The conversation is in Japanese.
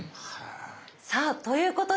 さあということで。